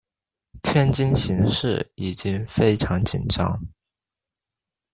天津形势已经非常紧张。